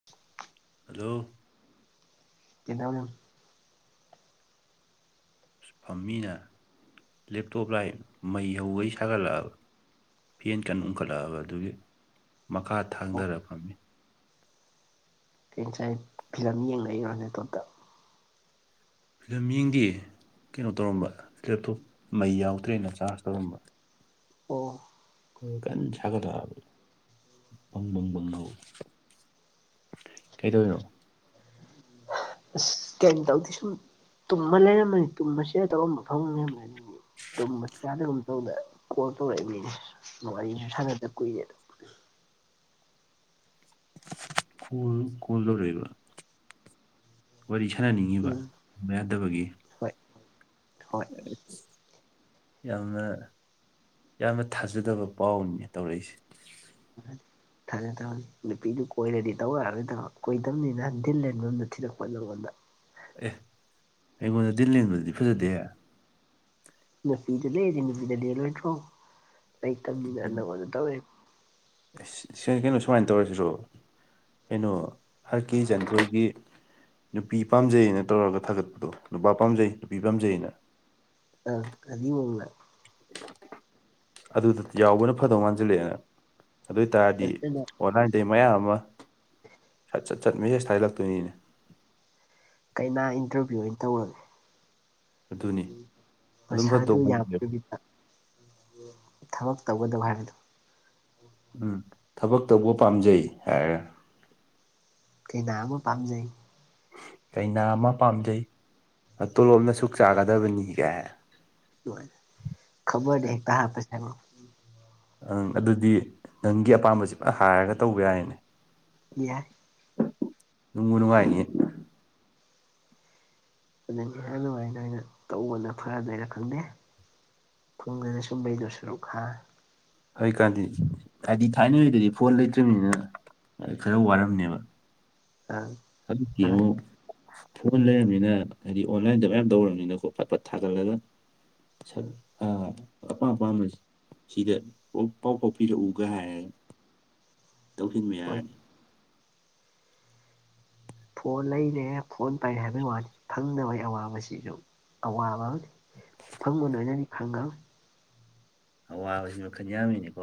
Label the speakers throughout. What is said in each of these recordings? Speaker 1: [inaudible]
Speaker 2: ꯑꯣ
Speaker 1: [unintelligible]
Speaker 2: ꯐꯝꯃꯤꯅ ꯂꯦꯞꯇꯣꯞ ꯂꯥꯏ ꯃꯩ ꯍꯧꯒꯩ ꯁꯥꯒꯠꯂꯛꯑꯕ ꯐꯦꯟ ꯀꯟ ꯎꯡꯈꯠꯂꯛꯑꯕ ꯑꯗꯨꯒꯤ ꯃꯈꯥ
Speaker 1: ꯑꯣ
Speaker 2: ꯊꯥꯡꯊꯔꯛꯄꯅꯤ
Speaker 1: ꯀꯦꯉꯁꯥꯏ ꯐꯤꯂꯝ ꯌꯦꯡꯕꯩ ꯋꯥ ꯅꯠꯇꯕꯗ
Speaker 2: ꯐꯤꯂꯝ ꯌꯦꯡꯗꯤ ꯀꯩꯅꯣ ꯇꯧꯔꯝꯕ ꯂꯦꯞꯇꯣꯞ ꯃꯩ ꯌꯥꯎꯗ꯭ꯔꯦꯅ ꯆꯥꯔꯖ ꯇꯧꯔꯝꯕ
Speaker 1: ꯑꯣ
Speaker 2: ꯀꯟꯅ ꯁꯥꯒꯠꯂꯛꯑꯕꯅꯦ ꯕꯪꯕꯪꯕꯪ ꯍꯧꯏ ꯀꯩꯗꯧꯔꯤꯅꯣ
Speaker 1: ꯀꯩꯝ ꯇꯧꯗꯤ ꯁꯨꯝ ꯇꯨꯝꯃ ꯂꯩꯔꯝꯃꯅꯤ ꯇꯨꯝꯃꯁꯦꯔ ꯇꯧꯔꯝꯃ ꯐꯃꯨꯡ ꯂꯩꯔꯝꯕꯅꯦ ꯑꯗꯨꯒꯤ ꯇ ꯆꯗꯒꯨꯝ ꯇꯧꯗꯅ ꯀꯣꯜ ꯇꯧꯔꯛꯏ ꯃꯤꯅꯦ ꯅꯨꯡꯉꯥꯏꯁꯨ ꯁꯥꯟꯅꯗ ꯀꯨꯏꯔꯦꯗ
Speaker 2: ꯀꯣ ꯀꯣꯜ ꯇꯧꯔꯛꯏꯕ ꯋꯥꯔꯤ ꯁꯥꯟꯅꯅꯤꯡꯉꯤꯕ
Speaker 1: ꯎꯝ
Speaker 2: ꯌꯥꯗꯕꯒꯤ
Speaker 1: ꯍꯣꯏ ꯍꯣꯏ
Speaker 2: [unintelligible] ꯌꯥꯝꯅ ꯌꯥꯝꯅ ꯊꯥꯖꯗꯕ ꯄꯥꯎꯅꯤ ꯇꯧꯔꯛꯏꯁꯦ
Speaker 1: [unintelligible] ꯊꯥꯖ ꯇꯧꯅꯤ ꯅꯨꯄꯤꯗꯨ ꯀꯣꯏꯔꯗꯤ ꯇꯧ ꯌꯥꯔꯅꯤꯣꯏ ꯊꯕ ꯀꯣꯏꯗꯕꯅꯤꯅ ꯗꯤꯜ ꯂꯩꯦꯟꯕꯗ ꯊꯤꯗꯛꯄꯣꯠ ꯂꯉꯣꯟꯗ
Speaker 2: ꯑꯦ ꯑꯩꯉꯣꯟꯗ ꯗꯤꯜ ꯂꯦꯡꯕꯗꯗꯤ ꯐꯖꯗꯦꯍꯦ
Speaker 1: ꯅꯨꯄꯤꯗ ꯂꯩꯗꯤ ꯅꯨꯄꯤꯗ ꯗꯦ ꯂꯩꯇ꯭ꯔꯣ ꯂꯩ ꯇꯝꯅꯤꯅ ꯅꯪꯉꫭꯟꯗ ꯇꯧꯔꯛꯏꯅꯤ
Speaker 2: ꯀꯩꯅꯣ ꯁꯨꯃꯥꯏꯅ ꯇꯧꯔꯁꯤꯔꯣ ꯀꯩꯅꯣ ꯑꯥꯔꯀꯦ ꯏꯆꯟꯊꫭꯏꯒꯤ ꯅꯨꯄꯤ ꯄꯥꯝꯖꯩꯅ ꯇꯧꯔꯒ ꯊꯥꯒꯠꯄꯗꯣ ꯅꯨꯄꯥ ꯄꯥꯝꯖꯩ ꯅꯨꯄꯤ ꯄꯥꯝꯖꯩꯩꯅ
Speaker 1: ꯑ ꯀꯗꯤꯡꯂ
Speaker 2: ꯑꯗꯨꯗ ꯌꯥꯎꯕꯅ ꯐꯗꯧ ꯃꯥꯟꯁꯤꯜꯂꯛꯑꯦꯅ ꯑꯗꯨ ꯑꯣꯏ ꯇꯔꯗꯤ
Speaker 1: ꯐꯖꯅ
Speaker 2: ꯑꯣꯟꯂꯥꯏꯟꯗ ꯃꯌꯥꯝ ꯑꯃ ꯁꯠ ꯁꯠ ꯆꯠ ꯃꯦꯁꯦꯖ ꯊꯥꯏꯖꯤꯠꯂꯛꯇꯣꯏꯅꯤꯅꯦ
Speaker 1: ꯀꯩꯅꯥ ꯏꯟꯇꯔꯚꯤꯌꯨ ꯑꯣꯏꯅ ꯇꯧꯔꯒꯦ
Speaker 2: ꯑꯗꯨꯅꯤ ꯑꯗꯨꯝ
Speaker 1: ꯃꯁꯥ
Speaker 2: ꯐꯗꯧ
Speaker 1: ꯑꯗꯨ
Speaker 2: ꯃꯥꯟꯁꯤꯜꯂꯛꯑꯦ
Speaker 1: ꯌꯥꯄꯕꯤ ꯊꯕꯛ ꯇꯧꯒꯗꯧ ꯍꯥꯏꯕꯗꯣ
Speaker 2: ꯎꯝ ꯊꯕꯛ ꯇꯧꯕ ꯄꯥꯝꯖꯩ ꯍꯥꯏꯔ
Speaker 1: ꯀꯩꯅꯥ ꯑꯃ ꯄꯥꯝꯖꯩ
Speaker 2: ꯀꯩꯅꯥ ꯑꯃ ꯄꯥꯝꯖꯩ ꯇꯣꯂꯣꯞꯝꯅ ꯁꯨꯛ ꯆꯥꯒꯗꯕꯅꯤꯒ
Speaker 1: ꯈꯕꯔ ꯍꯦ ꯀ ꯄ ꯆꯅꯣ ꯎꯝ
Speaker 2: ꯑꯪ ꯑꯗꯨꯗꯤ ꯅꯪꯒꯤ ꯑꯄꯥꯝꯕꯁꯦ ꯄꯨ ꯍꯥꯏꯔꯒ ꯇꯧꯕ ꯌꯥꯏꯅꯦ
Speaker 1: ꯌꯥꯏ
Speaker 2: ꯅꯨꯡꯕꯨ ꯅꯨꯡꯉꯥꯏꯅꯤꯌꯦ
Speaker 1: ꯑꯗꯨꯅꯤ ꯑꯗꯨꯃꯥꯏꯅ ꯑꯩꯅ ꯇꯧꯕꯅ ꯐꯔꯗ ꯑꯩꯅ ꯈꯪꯗꯦ ꯄꯨꯡꯗꯅꯤ ꯁꯨꯝꯕꯩꯗꯨꯣ ꯁꯔꯨꯛꯈ
Speaker 2: ꯍꯧꯖꯤꯣꯏꯀꯥꯟꯗꯤ ꯍꯥꯏꯗꯤ ꯊꯥꯏꯅꯉꯩꯗꯗꯤ ꯐꯣꯟ ꯂꯩꯇ꯭ꯔꯅꯤꯅ ꯈꯔ ꯋꯥꯔꯝꯅꯦꯕ
Speaker 1: ꯑꯝ
Speaker 2: ꯍꯧꯖꯤꯛ ꯀꯉꯨ ꯐꯣꯟ ꯂꯩꯔꯕꯅꯤꯅ ꯍꯥꯏꯗꯤ ꯑꯣꯟꯂꯥꯏꯟꯗ ꯃꯌꯥꯝ ꯇꯧꯔꯕꯅꯤꯅꯀꯣ ꯐꯠ ꯐꯠ ꯊꯥꯒꯠꯂꯒ ꯁꯛ ꯑ ꯑꯄꯥꯝ ꯑꯄꯥꯝꯕꯁꯤ ꯁꯤꯗ ꯄ ꯄꯥꯎ ꯐꯥꯎ ꯄꯤꯔꯛꯎꯒ ꯍꯥꯏꯔꯒ ꯇꯧꯁꯤꯟꯕ
Speaker 1: ꯑꯣꯏ
Speaker 2: ꯌꯥꯔꯅꯤ
Speaker 1: ꯐꯣꯟ ꯂꯩꯔꯦ ꯐꯣꯟ ꯄꯥꯏꯔꯦ ꯍꯥꯏꯕꯒꯤ ꯐꯪꯗꯕꯒꯤ ꯑꯋꯥꯕꯁꯤꯁꯨ ꯑꯋꯥꯕ ꯑꯝꯅꯤ ꯃꯐꯪꯒ ꯍꯥꯏꯅꯅꯤ ꯈꯪꯉ
Speaker 2: ꯑꯋꯥꯕꯁꯤꯅ ꯈꯟ ꯌꯥꯝꯃꯤꯅꯤꯀꯣ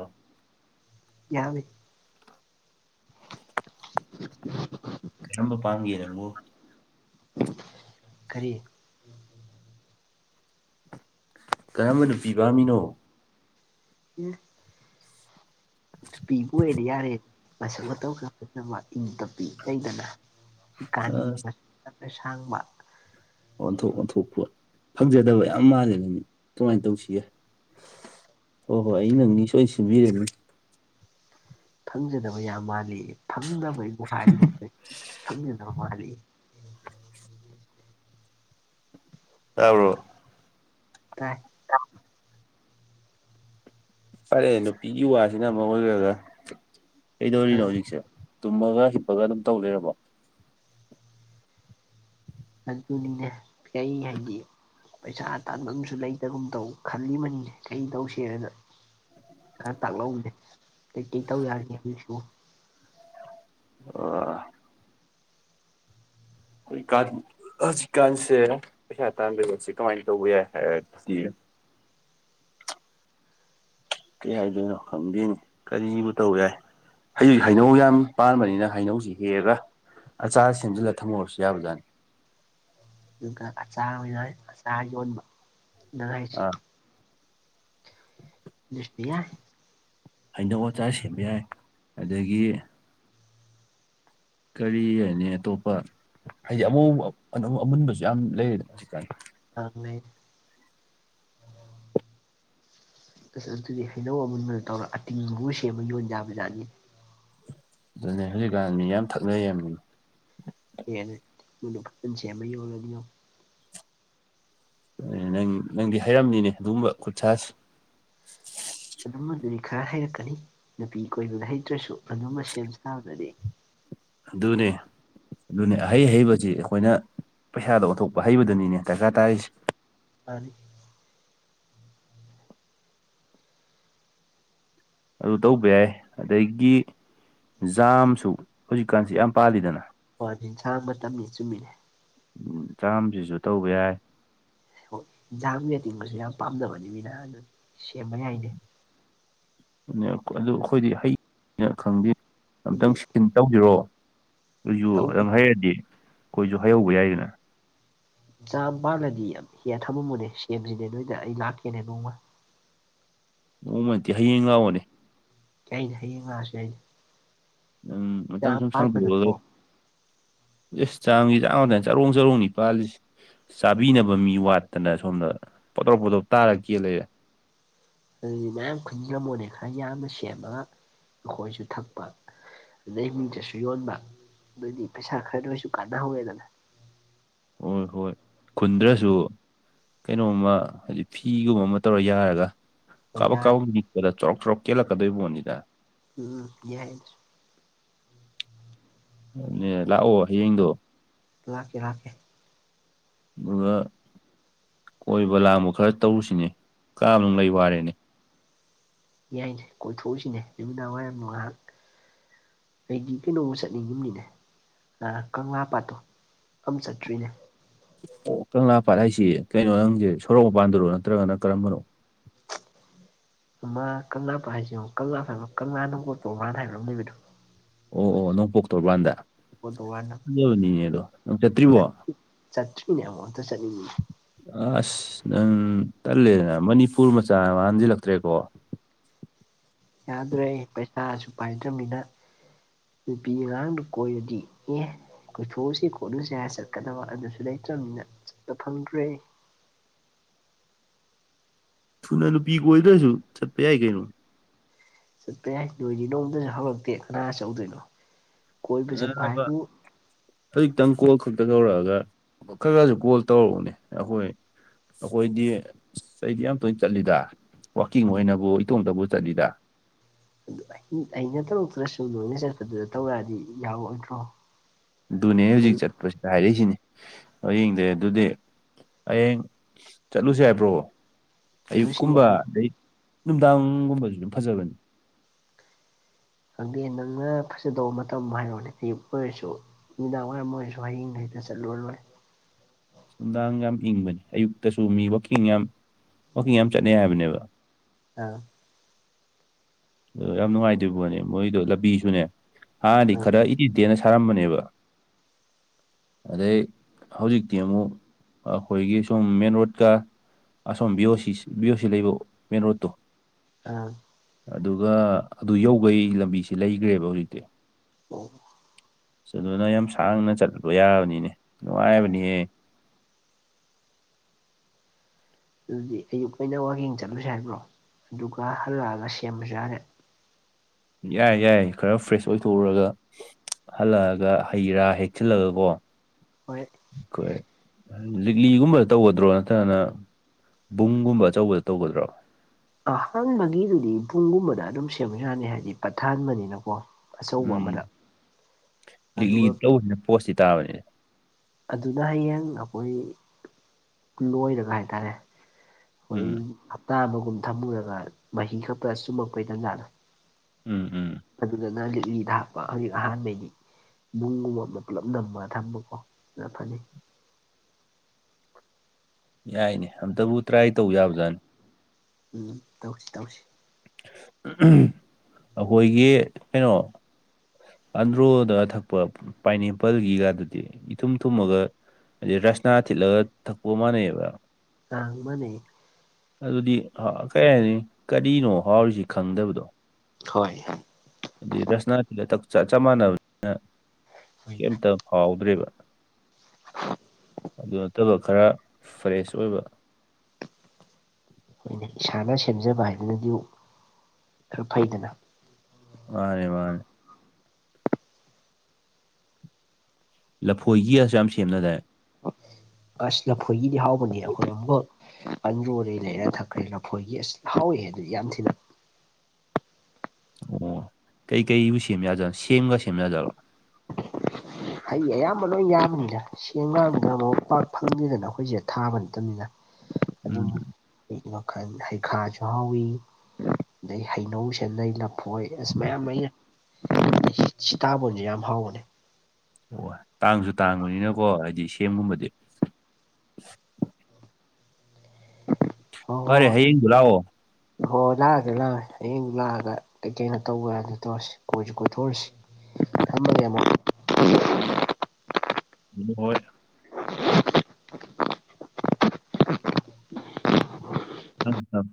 Speaker 1: ꯌꯥ ꯂꯩ [unintelligible]
Speaker 2: ꯀꯔꯝꯕ ꯄꯥꯡꯒꯦꯔꯪꯕꯨꯣ
Speaker 1: ꯀꯔꯤ
Speaker 2: ꯀꯔꯝꯕ ꯅꯨꯄꯤ ꯄꯥꯝꯃꯤꯅꯣ
Speaker 1: ꯌꯦ ꯄꯤꯕꯨ ꯌꯥꯔꯦ ꯃꯁꯛ ꯃꯇꯧ ꯈ ꯐꯖꯕ ꯏꯪ ꯇꯞꯄꯤ ꯂꯩꯗꯅ ꯀꯥꯅꯤ
Speaker 2: ꯑꯥ
Speaker 1: ꯁꯥꯡꯕ
Speaker 2: ꯑꯣꯟꯊꯣꯛ ꯑꯣꯟꯊꯣꯛꯄ ꯐꯪꯖꯗꯕ ꯌꯥꯝ ꯃꯥꯜꯂꯦꯕꯅꯤ ꯀꯃꯥꯏꯅ ꯇꯧꯁꯤꯒꯦ ꯍꯣꯏ ꯍꯣꯏ ꯑꯩ ꯅꯪꯅꯤ ꯁꯣꯏꯅ ꯁꯤꯟꯕꯤꯔꯅꯤ
Speaker 1: ꯐꯪꯖꯗꯕ ꯌꯥꯝ ꯃꯥꯜꯂꯤ ꯐꯪꯅꯕ ꯏꯕꯨ ꯍꯥꯏꯔꯤꯕ ꯃꯈꯩ ꯐꯪꯖꯗꯕ ꯃꯥꯜꯂꯤ
Speaker 2: ꯇꯥꯕ꯭ꯔꫭ
Speaker 1: ꯇ
Speaker 2: ꯐꯔꯦ ꯅꯨꯄꯤꯒꯤ ꯋꯥꯁꯤꯅ ꯃꯔ ꯑꯣꯏꯔꯒ
Speaker 1: ꯑ
Speaker 2: ꯀꯩꯗꯧꯔꯤꯅꯣ ꯍꯧꯖꯤꯛꯁꯦ ꯇꯨꯝꯃꯒ ꯍꯤꯞꯄꯒ ꯑꯗꯨꯝ ꯇꯧ ꯂꯩꯔꯕꯣ
Speaker 1: ꯑꯗꯨꯅꯤꯅꯦ ꯀꯩ ꯍꯥꯏꯗꯤ ꯄꯩꯁꯥ ꯇꯥꯟꯕꯝꯁꯨ ꯂꯩꯇꯒꯨꯝ ꯇꯧ ꯈꯜꯂꯤꯕꯅꯤꯅꯦ ꯀꯩ ꯇꯧꯁꯦꯅꯅ ꯈꯔ ꯇꯥꯛꯂꯧꯕꯅꯦ ꯀꯩ ꯀꯩ ꯇꯧ ꯌꯥꯒꯦ ꯍꯧꯖꯤꯛꯁꯨ
Speaker 2: ꯑ ꯍꯧꯖꯤꯛꯀꯥꯟ ꯍꯧꯖꯤꯛꯀꯥꯟꯁꯦ ꯄꯩꯁꯥ ꯇꯥꯟꯕꯩꯗꯣꯠꯁꯦ ꯀꯃꯥꯏꯅ ꯇꯧꯕ ꯌꯥꯏ ꯍꯥꯏ ꯀꯩ ꯍꯥꯏꯗꯣꯏꯅꯣ ꯈꯪꯗꯦꯅꯤ ꯀꯔꯤꯕꯕꯨ ꯇꯧ ꯌꯥꯏ ꯍꯧꯖꯤꯛ ꯍꯩꯅꯧ ꯌꯥꯝ ꯄꯥꯟꯕꯅꯤꯅ ꯍꯩꯅꯧꯁꯤ ꯍꯦꯛꯔꯒ ꯑꯆꯥꯁꯤꯡꯁꯤꯜꯂ ꯊꯝꯃꯔꯁꯨ ꯌꯥꯕꯖꯥꯠꯅꯤ
Speaker 1: ꯑꯁ ꯅꯤꯡꯉꯥꯏ ꯑꯁꯤ ꯌ‌ꯣꯜꯕ
Speaker 2: ꯑꯥ
Speaker 1: ꯁꯇꯌꯥ
Speaker 2: ꯍꯩꯅꯧ ꯑꯆꯥꯔ ꯁꯦꯝꯕ ꯌꯥꯏ ꯑꯗꯒꯤ ꯀꯔꯤ ꯍꯥꯏꯅꯤ ꯑꯇꯣꯞꯄ ꯍꯥꯏꯗꯤ ꯑꯃ ꯑꯃꯨꯟꯕꯁꯨ ꯌꯥꯝ ꯂꯩꯔꯦꯗ ꯍꯧꯖꯤꯛꯀꯥꯟ
Speaker 1: ꯑꯅꯦ ꯁ ꯑꯗꯨꯗꯤ ꯍꯩꯅꯧ ꯑꯃꯨꯟꯕꯗ ꯇꯧꯔꯒ ꯑꯇꯤꯡꯕꯒꯨꯝꯕ ꯁꯦꯝꯕ ꯌꯣꯟ ꯌꯥꯕꯖꯥꯠꯅꯤ
Speaker 2: ꯑꯗꯨꯅꯦ ꯍꯧꯖꯤꯛꯀꯥꯟ ꯃꯤ ꯌꯥꯝ ꯊꯛꯅꯩ ꯍꯥꯏꯕꯅꯤ
Speaker 1: ꯍꯅꯦ ꯈꯁꯦꯃ ꯑꯣꯏꯗꯤ
Speaker 2: ꯅꯪ ꯅꯪꯗꯤ ꯍꯥꯏꯔꯝꯅꯤꯅꯦ ꯑꯗꯨꯒꯨꯝꯕ ꯈꯨꯠ ꯁꯥꯁꯦ
Speaker 1: ꯑꯗꯨꯝꯕꯗꯗꯤ ꯈꯔ ꯍꯩꯔꯛꯀꯅꯤ ꯅꯨꯄꯤ ꯀꯣꯏꯕꯗ ꯍꯩꯇ꯭ꯔꯁꯨ ꯑꯗꯨꯝꯕ ꯁꯦꯝ ꯁꯥꯕꯗꯗꯤ
Speaker 2: ꯑꯗꯨꯅꯦ ꯑꯗꯨꯅꯦ ꯑꯍꯩ ꯍꯩꯕꯁꯤ ꯑꯩꯈꯣꯏꯅ ꯄꯩꯁꯥꯗ ꯑꯣꯟꯊꯣꯛꯄ ꯍꯩꯕꯗꯨꯅꯤꯅꯦ ꯗꯔꯀꯥꯔ ꯇꯥꯔꯤꯁꯤ
Speaker 1: ꯃꯥꯅꯤ
Speaker 2: ꯑꯗꯨ ꯇꯧꯕꯁꯨ ꯌꯥꯏ ꯑꯗꯒꯤ ꯖꯥꯝꯁꯨ ꯍꯧꯖꯤꯛꯀꯥꯟꯁꯤ ꯌꯥꯝ ꯄꯥꯜꯂꯤꯗꯅ
Speaker 1: ꯍꯣꯏ ꯁꯥꯡ ꯃꯇꯝꯃꯤ ꯆꯨꯝꯃꯤꯅꯦ
Speaker 2: ꯎꯝ ꯖꯥꯝꯁꯤꯁꯨ ꯇꯧꯕ ꯌꯥꯏ
Speaker 1: ꯍ ꯖꯥꯝꯒꯤ ꯑꯇꯤꯡꯕꯁꯨ ꯌꯥꯝ ꯄꯥꯝꯅꯕꯅꯤ ꯃꯤꯅ ꯑꯗꯨ ꯁꯦꯝꯕ ꯌꯥꯏꯅꯦ
Speaker 2: ꯑꯗꯨ ꯑꯩꯈꯣꯏꯗꯤ ꯍꯩꯅ ꯈꯪꯗꯦ
Speaker 1: ꯑꯩꯗꯤ
Speaker 2: ꯑꯝꯇꯪ ꯁꯤ ꯇꯧꯖꯤꯔꯣ ꯑꯩꯁꯨ
Speaker 1: ꯇꯧ
Speaker 2: ꯑꯗꯨꯍꯩꯔꯛꯑꯗꯤ ꯑꯩꯈꯣꯏꯁꯨ ꯍꯩꯍꯧꯕ ꯌꯥꯏꯗꯅ
Speaker 1: ꯖꯥꯝ ꯄꯥꯜꯂꯗꯤ ꯌꯥꯝ ꯍꯦꯌꯥ ꯊꯝꯃꯝꯃꯣꯅꯦ ꯁꯦꯝꯁꯤꯅꯦ ꯅꯣꯏꯗ ꯑꯩ ꯂꯥꯛꯀꯦꯅꯦ ꯅꯣꯡꯃ
Speaker 2: ꯅꯣꯡꯃ ꯅꯠꯇꯦ ꯍꯌꯦꯡ ꯂꯥꯎꯑꯣꯅꯦ
Speaker 1: ꯌꯥꯏ ꯍꯌꯦꯡ ꯂꯥꯛ ꯑꯁꯨ ꯌꯥꯏ
Speaker 2: ꯎꯝ ꯃꯇꯝ ꯁꯨꯝ ꯁꯥꯡꯗꯣꯛꯒ
Speaker 1: ꯅꯠꯇ꯭ꯔꯣ
Speaker 2: ꯑꯦꯁ ꯆꯥꯝꯒꯤ ꯆꯥꯝꯉꯥꯛꯅꯤ ꯆꯔꯣꯡ ꯆꯔꯣꯡꯅꯤ ꯄꯥꯜꯂꯤꯁꯦ ꯆꯥꯕꯤꯅꯕ ꯃꯤ ꯋꯥꯠꯇꯅ ꯁꯣꯝꯗ ꯄꯣꯇ꯭ꯔꯣ ꯄꯣꯇꯥꯔꯣ ꯇꯥꯔꯒꯥ ꯀꯦꯟ ꯂꯩꯔꯦ
Speaker 1: ꯑꯗꯨꯗꯤ ꯃꯌꯥꯝ ꯈꯨꯟꯁꯤꯝꯃꯣꯅꯦ ꯈꯔ ꯌꯥꯝꯅ ꯁꯦꯝꯃꯒ ꯑꯩꯈꯣꯏꯁꯨ ꯊꯛꯄ ꯑꯗꯨꯗꯩ ꯃꯤꯡꯆꯠꯁꯨ ꯌꯣꯟꯕ ꯑꯗꯨꯗꯤ ꯄꯩꯁꯥ ꯈꯔꯁꯨ ꯀꯥꯟꯅꯍꯧꯋꯦꯗꯅ
Speaker 2: ꯍꯣꯏ ꯍꯣꯏ ꯈꯨꯟꯗ꯭ꯔꯁꯨ ꯀꯩꯅꯣꯝꯃ ꯍꯥꯏꯗꯤ ꯐꯤꯒꯨꯝꯕ ꯑꯃ ꯇꯧꯔ ꯌꯥꯔꯒ
Speaker 1: ꯍꯣꯏ
Speaker 2: ꯀꯥꯕꯛ
Speaker 1: ꯌꯥꯔꯦ
Speaker 2: ꯀꯥꯕꯛ ꯅꯤꯛꯄꯗ ꯆꯥꯎꯣꯔꯔꯣꯛ ꯆꯣꯔꯔꯣꯛ ꯀꯦꯜꯂꯛꯀꯗꯣꯏ ꯅꯤꯗ
Speaker 1: ꯎꯝ ꯌꯥꯏ
Speaker 2: ꯅꯦ ꯂꯥꯛꯑꯣ ꯍꯌꯦꯡꯗꯣ
Speaker 1: ꯂꯥꯛꯀꯦ ꯂꯥꯛꯀꯦ
Speaker 2: ꯑꯗꯨꯒꯒ ꯀꯣꯏꯕ ꯂꯥꯡꯕ ꯈꯔ ꯇꯧꯔꯨꯁꯤꯅꯦ ꯀꯥꯝꯅꯪ ꯑꯩ ꯋꯥꯔꯦꯅꯦ
Speaker 1: ꯌꯥꯏꯅꯦ ꯀꯣꯏꯊꯣꯛꯎꯁꯤꯅꯦ ꯅꯨꯃꯤꯗꯥꯡ ꯋꯥꯏꯔꯝ ꯉꯥꯏꯍꯥꯛ ꯑꯩꯗꯤ ꯀꯩꯅꯣꯝ ꯆꯠꯅꯤꯡꯉꯤꯅꯤꯅꯦ ꯀꯪꯂꯥ ꯄꯥꯠꯇꯣ ꯑꯃ ꯆꯠꯇ꯭ꯔꯤꯅꯦ
Speaker 2: ꯑꯣ ꯀꯪꯂꯥ ꯄꯥꯠ ꯍꯥꯏꯁꯤ ꯀꯩꯅꯣ ꯅꯪꯁꯦ ꯁꯣꯔꯣꯛ ꯃꯄꯥꯟꯗꯨꯔꯣ ꯅꯠꯇ꯭ꯔꯒꯅ ꯀꯔꯝꯕꯅꯣ
Speaker 1: ꯑꯃ ꯀꯪꯂꯥꯄꯥꯠ ꯍꯥꯏꯁꯤ ꯑꯃꯨꯛ ꯀꯪꯂꯥ ꯍꯥꯏꯕ ꯀꯪꯂꯥ ꯅꯣꯡꯄꯣꯛ ꯇꯔꯣꯕꯥꯟ ꯍꯥꯏꯕ ꯑꯃ ꯂꯩꯕꯗꯣ
Speaker 2: ꯑꯣ ꯑꯣ ꯅꯣꯡꯄꯣꯛ ꯇꯣꯔꯕꯥꯥꯟꯗ
Speaker 1: ꯀꯣꯇꯣꯕꯥꯟ
Speaker 2: ꯐꯥꯖꯕꯅꯤꯅꯦ ꯑꯗꯣ ꯅꯪ ꯆꯠꯇ꯭ꯔꯤꯕꯣ
Speaker 1: ꯆꯠ꯭ꯔꯤꯅꯦ ꯑꯃꯨꯛ ꯑꯃꯇꯪ ꯆꯠꯅꯤꯡꯉꯤꯅꯦ
Speaker 2: ꯑꯁ ꯅꯪ ꯇꯜꯂꯦꯅ ꯃꯅꯤꯄꯨꯔ ꯃꯆꯥ ꯃꯥꯟꯖꯤꯜꯂꯛꯇ꯭ꯔꯦꯀꯣ
Speaker 1: ꯌꯥꯗ꯭ꯔꯦ ꯑꯩ ꯄꯩꯁꯥꯁꯨ ꯄꯥꯏꯗ꯭ꯔꯃꯤꯅ ꯅꯨꯄꯤ ꯑꯉꯥꯡꯗꯨ ꯀꯣꯏꯔꯗꯤ ꯑꯦ ꯀꯣꯏꯊꯣꯛꯎꯁꯤ ꯈꯣꯠꯂꯨꯁꯤ ꯍꯥꯏꯔ ꯆꯠꯀꯗꯕ ꯑꯗꯨꯁꯨ ꯂꯩꯇ꯭ꯔꯕꯅꯤꯅ ꯆꯠꯄ ꯐꯪꯗ꯭ꯔꯦ
Speaker 2: ꯊꯨꯅ ꯅꯨꯄꯤ ꯀꯣꯏꯗ꯭ꯔꯁꯨ ꯆꯠꯄ ꯌꯥꯏ ꯀꯩꯅꯣ
Speaker 1: ꯆꯠꯄ ꯌꯥꯏ ꯅꯣꯏꯗꯤ ꯅꯣꯡꯃꯇꯁꯨ ꯍꯧꯔꯛꯇꯦ ꯀꯅꯥ ꯆꯠꯂꯨꯗꯣꯏꯅꯣ
Speaker 2: ꯅꯕ ꯍꯧꯖꯤꯛꯇꯪ ꯀꯣꯜ ꯈꯛꯇ ꯇꯧꯔꯛꯑꯒ ꯈꯔ ꯈꯔꯁꯨ ꯀꯣꯜ ꯇꯧꯔꯛꯎꯅꯦ ꯑꯩꯈꯣꯏ ꯑꯩꯈꯣꯏꯗꯤ ꯑꯩꯗꯤ ꯌꯥꯝ ꯇꯣꯏꯅ ꯆꯠꯂꯤꯗ ꯋꯥꯛꯀꯤꯡ ꯑꯣꯏꯅꯕꯨ ꯏꯇꯣꯡꯇꯕꯨ ꯆꯠꯂꯤꯗ
Speaker 1: ꯑꯗꯨ ꯑꯩꯅ ꯇꯧꯔꯛꯇ꯭ꯔꯁꯨ ꯂꯣꯏꯅ ꯆꯠꯄꯗꯨꯗ ꯇꯧꯔꯛꯑꯗꯤ ꯌꯥꯎꯔꯣꯏꯗ꯭ꯔꯣ
Speaker 2: ꯑꯗꯨꯅꯦ ꯍꯧꯖꯤꯛ ꯆꯠꯄꯁꯤꯗ ꯍꯥꯏꯔꯛꯏꯁꯤꯅꯦ ꯌꯦꯡꯗ꯭ꯔꯦ ꯑꯗꯨꯗꯤ ꯍꯌꯦꯡ ꯆꯠꯂꯨꯁ ꯍꯥꯏꯕ꯭ꯔꯣ
Speaker 1: ꯆꯠꯂꯨꯁꯤꯅꯦ
Speaker 2: ꯑꯌꯨꯛꯀꯨꯝꯕ
Speaker 1: ꯍꯩ
Speaker 2: ꯑꯗꯩ ꯅꯨꯡꯗꯥꯡꯒꯨꯝꯕꯁꯨ ꯑꯗꯨꯝ ꯐꯖꯕꯅꯤ
Speaker 1: ꯈꯪꯗꯦ ꯅꯪꯅ ꯐꯖꯗꯧꯕ ꯃꯇꯝ ꯍꯥꯏꯔꯣꯅꯦꯗꯤ ꯑꯣꯏꯔꯁꯨ ꯃꯤꯗꯥꯡ ꯋꯥꯔ ꯃꯣꯏꯁꯨ ꯍꯌꯤꯡ ꯍꯩꯇ ꯆꯠꯂꯨꯔꯔꯣꯏ
Speaker 2: ꯅꯨꯡꯗꯥꯡ ꯌꯥꯝ ꯏꯪꯕꯅꯦ ꯑꯌꯨꯛꯇꯁꯨ ꯃꯤ ꯋꯥꯛꯀꯤꯡ ꯌꯥꯝ ꯋꯥꯋꯀꯤꯡ ꯌꯥꯝ ꯆꯠꯅꯩ ꯍꯥꯏꯕꯅꯦꯕ
Speaker 1: ꯑꯥ
Speaker 2: ꯑꯗ ꯌꯥꯝ ꯅꯨꯡꯉꯥꯏꯇꯣꯏꯔꯤꯕꯣꯅꯦ ꯃꯣꯏꯗꯣ ꯂꯝꯕꯤꯁꯨꯅꯦ ꯍꯥꯟꯅꯗꯤ
Speaker 1: ꯑꯥ
Speaker 2: ꯈꯔ ꯏꯗꯤꯇꯦꯅ ꯁꯥꯔꯝꯕꯅꯦꯕ ꯑꯗꯩ ꯍꯧꯖꯤꯛꯇꯤ ꯑꯃꯨꯛ ꯑꯩꯈꯣꯏꯒꯤ ꯁꯨꯝ ꯃꯦꯟ ꯔꯣꯗꯀ ꯑꯁꯣꯝ ꯕꯤ ꯑꯣ ꯁꯤ ꯕꯤ ꯑꯣ ꯁꯤ ꯂꯩꯕ ꯃꯦꯟ ꯔꯣꯗꯠꯇꯣ
Speaker 1: ꯑꯝ
Speaker 2: ꯑꯗꯨꯒ ꯑꯗꯨ ꯌꯧꯕꯩ ꯂꯝꯕꯤꯁꯦ ꯂꯩꯈ꯭ꯔꯦꯕ ꯍꯧꯖꯤꯛꯇꯤ
Speaker 1: ꯑꯣꯝ
Speaker 2: ꯑꯗꯨꯅ ꯌꯥꯝ ꯁꯥꯡꯅ ꯆꯠꯂꯗꯣ ꯌꯥꯕꯅꯤꯅꯦ ꯅꯨꯡꯉꯥꯏꯔꯕꯅꯤꯍꯦ
Speaker 1: ꯑꯗꯨꯗꯤ ꯑꯌꯨꯛ ꯑꯩꯅ ꯋꯀꯤꯡ ꯆꯠꯂꯨꯁꯤ ꯍꯥꯏꯕ꯭ꯔꯣ ꯑꯗꯨꯒ ꯍꯜꯂꯛꯑꯒ ꯁꯦꯝꯕꯁꯨ ꯌꯥꯔꯦ
Speaker 2: ꯌꯥꯏ ꯌꯥꯏ ꯈꯔ ꯐ꯭ꯔꯦꯁ ꯑꯣꯏꯊꯣꯛꯎꯔꯒ ꯍꯜꯂꯛꯑꯒ ꯍꯩ ꯔꯥ ꯍꯦꯛꯆꯤꯜꯂꯒ ꯀꯣ
Speaker 1: ꯍꯣꯏ
Speaker 2: ꯍꯣꯏ ꯂꯤꯛꯂꯤꯒꯨꯝꯕꯗ ꯇꯧꯒꯗ꯭ꯔꯣ ꯅꯠꯇ꯭ꯔꯒꯅ ꯕꯨꯡꯒꯨꯝꯕ ꯑꯆꯧꯕꯗ ꯇꯧꯒꯗ꯭ꯔꯣ
Speaker 1: ꯑꯍꯥꯟꯕꯒꯤꯗꯨꯗꯤ ꯄꯨꯡꯒꯨꯝꯕꯗ ꯑꯗꯨꯝ ꯁꯦꯝꯕ ꯌꯥꯅꯤ ꯍꯥꯏꯗꯤ ꯄꯊꯕꯅꯤꯅꯀꯣ
Speaker 2: ꯎꯝ ꯂꯤꯛꯂꯤ
Speaker 1: ꯑꯗꯨꯒ
Speaker 2: ꯇꯧꯕꯁꯤꯅ ꯄꯣꯁꯇꯤ ꯇꯥꯕꯅꯤꯅꯦ
Speaker 1: ꯑꯗꯨꯅ ꯍꯌꯦꯡ ꯑꯩꯈꯣꯏ ꯂꯣꯏꯔꯒ ꯍꯥꯏꯇꯥꯔꯦ
Speaker 2: ꯎꯝ
Speaker 1: ꯑꯩꯣꯏ ꯍꯞꯇꯥ ꯑꯃꯒꯨꯝ ꯊꯝꯃꯨꯔꯒ ꯃꯍꯤ ꯈꯛ ꯄꯨꯔ ꯆꯨꯝꯃꯛꯄꯩ ꯇꯟꯖꯥꯗꯣ
Speaker 2: ꯎꯝ ꯎꯝ
Speaker 1: ꯑꯗꯨꯗ ꯅꯪꯒꯤꯛ ꯂꯤꯂꯤꯗ ꯍꯥꯞꯄ ꯍꯧꯖꯤꯛ ꯑꯍꯥꯟꯕꯩꯗꯤ ꯏꯕꯨꯡꯒꯨꯝꯕ ꯑꯃ ꯄꯨꯜꯂꯞ ꯅꯝꯃꯒ ꯊꯝꯕꯀꯣ ꯐꯅꯤ
Speaker 2: ꯌꯥꯏꯅꯦ ꯑꯝꯇꯕꯨ ꯇ꯭ꯔꯥꯏ ꯇꯧ ꯌꯥꯕꯖꯥꯠꯅꯤ
Speaker 1: ꯎꯝ ꯇꯧꯁꯤ ꯇꯧꯁꯤ
Speaker 2: ꯑꯩꯈꯣꯏꯒꯤ ꯀꯩꯅꯣ ꯑꯟꯗ꯭ꯔꯣꯗ ꯊꯛꯄ ꯄꯥꯏꯅꯦꯄꯜꯒꯤꯒꯗꯨꯗꯤ ꯏꯊꯨꯝ ꯊꯨꯝꯃꯒ ꯍꯥꯏꯗꯤ ꯔꯁꯅꯥ ꯊꯤꯠꯂꯒ ꯊꯛꯄ ꯃꯥꯟꯅꯩꯑꯕ
Speaker 1: ꯑ ꯃꯅꯤ
Speaker 2: ꯑꯗꯨꯗꯤ ꯀꯔꯤ ꯍꯥꯏꯅꯤ ꯀꯔꯤꯅꯣ ꯍꯥꯎꯔꯤꯁꯤ ꯈꯪꯗꯕꯗꯣ
Speaker 1: ꯍꯣꯏ
Speaker 2: ꯑꯗꯨ ꯔꯁꯅꯥꯁꯤꯗ ꯆ ꯃꯥꯟꯅꯕꯅꯤꯅ
Speaker 1: ꯍꯣꯏꯅꯦ
Speaker 2: ꯀꯩꯝꯇꯧ ꯍꯥꯎꯗ꯭ꯔꯦꯕ ꯑꯗꯨ ꯅꯠꯇꯕ ꯈꯔ ꯐ꯭ꯔꯦꯁ ꯑꯣꯏꯕ
Speaker 1: ꯑꯩꯈꯣꯏꯅ ꯏꯁꯥꯅ ꯁꯦꯝꯖꯕ ꯍꯥꯏꯗꯨꯅꯗꯤ ꯈꯔ ꯐꯩꯗꯅ
Speaker 2: ꯋꯥꯔꯦ ꯋꯥꯔꯦ ꯂꯐꯣꯏꯒꯤꯑꯁꯨ ꯌꯥꯝ ꯁꯦꯝꯅꯗꯔꯦ
Speaker 1: ꯑꯁ ꯂꯐꯣꯏꯒꯤꯗꯤ ꯍꯥꯎꯕꯅꯦ ꯑꯩꯈꯣꯏ ꯑꯃꯨꯒ ꯑꯟꯗ꯭ꯔꯣꯗꯩ ꯂꯩꯔ ꯊꯛꯈ꯭ꯔꯦ ꯂꯐꯣꯏꯒꯤ ꯑꯁ ꯍꯥꯎꯋꯦꯍꯦ ꯑꯗꯨꯗꯤ ꯌꯥꯝ ꯊꯤꯅ
Speaker 2: ꯑꯣ ꯀꯩꯀꯩꯕꯨ ꯁꯦꯝ ꯌꯥꯗꯅꯣ ꯁꯦꯝꯒ ꯁꯦꯝ ꯌꯥꯖꯔꯣ
Speaker 1: [unintelligible] ꯍꯩ ꯑꯌꯥꯝꯕ ꯂꯣꯏ ꯌꯥꯝꯕꯅꯤꯅ ꯁꯦꯡꯕꯕꯗꯅ ꯃ ꯄꯥꯛ ꯐꯪꯗꯦꯗꯅ ꯑꯩꯈꯣꯏꯁꯦ ꯊꯥꯕ ꯅꯠꯇꯕꯅꯤꯅ
Speaker 2: ꯎꯝ
Speaker 1: ꯑꯗꯨꯝ ꯋꯥꯜ ꯍꯩꯈꯥꯁꯨ ꯍꯧꯥꯎꯋꯤ ꯑꯗꯩ ꯍꯩꯅꯧ ꯁꯦꯅꯩ ꯂꯐꯣꯏ ꯑꯁ ꯃꯌꯥꯝ ꯑꯩꯅ ꯁꯤꯇꯥꯕꯣꯟꯁꯨꯦ ꯌꯥꯝ ꯐꯥꯎꯕꯅꯦ
Speaker 2: ꯍꯣꯏ ꯇꯥꯡꯁꯨ ꯇꯥꯡꯕꯅꯤꯅꯀꯣ ꯍꯥꯏꯗꯤ ꯁꯦꯝꯒꯨꯝꯕꯗꯤ
Speaker 1: [unintelligible]
Speaker 2: ꯐꯔꯦ ꯍꯌꯦꯡꯗꯨ ꯂꯥꯛꯑꯣ
Speaker 1: ꯍꯣꯏ ꯂꯥꯛꯑꯒꯦ ꯂꯥꯛꯑꯦ ꯍꯌꯦꯡ ꯂꯥꯛꯑꯒ ꯀꯩꯀꯦꯅꯣ ꯇꯧꯕ ꯌꯥꯗ ꯇꯧꯔꯁꯤ ꯀꯣꯏꯁꯨ ꯀꯣꯏꯊꯣꯛꯔꯁꯤ ꯊꯃꯒ ꯑꯃ
Speaker 2: ꯑꯗꯨ ꯍꯣꯏ ꯎꯝ ꯎꯝ